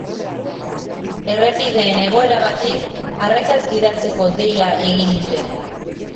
Errepideen egoeragatik arretaz gidatzeko deia egin dute.